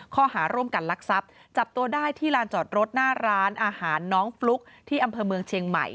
ข้อหาร่วมกันลักทรัพย์จับตัวได้ที่ลานจอดรถหน้าร้านอาหารน้องฟลุ๊กที่อำเภอเมืองเชียงใหม่